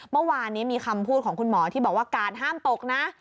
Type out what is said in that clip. เมื่อวานนี้มีคำพูดของคุณหมอที่บอกว่ากาดห้ามตกนะ